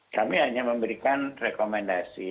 kami hanya memberikan rekomendasi